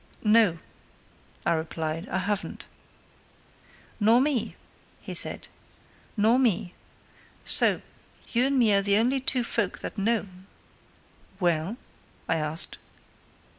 "No!" I replied. "I haven't." "Nor me," he said. "Nor me. So you and me are the only two folk that know." "Well?" I asked.